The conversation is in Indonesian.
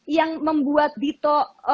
yang membuat dito